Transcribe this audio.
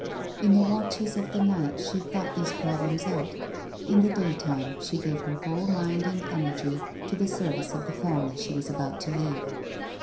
In the watches of the night she thought these problems out; in the daytime she gave her whole mind and energy to the service of the family she was about to leave.